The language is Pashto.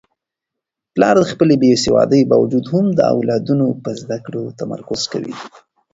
پلار د خپلې بې سوادۍ باوجود هم د اولادونو په زده کړو تمرکز کوي.